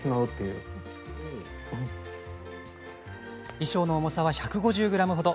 衣装の重さは１５０ｇほど。